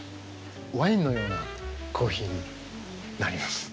ワインのようなコーヒーになります。